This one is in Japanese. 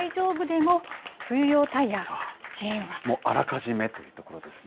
もうあらかじめということですね。